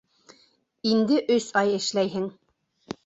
Инде өс ай эшләйһең.